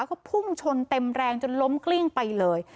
เขาพุ่งชนเต็มแรงจนล้มกลิ้งไปเลย